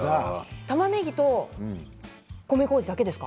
たまねぎと米こうじだけ？